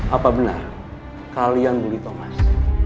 apa benar kalian beli thomas